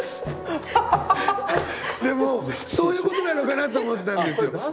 でもそういうことなのかなと思ったんですよ。